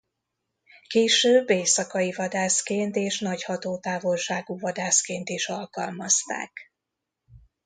Később éjszakai vadászként és nagy-hatótávolságú vadászként is alkalmazták.